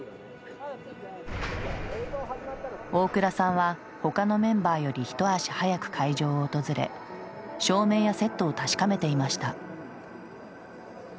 大倉さんはほかのメンバーより一足早く会場を訪れ照明やセットを確かめていました。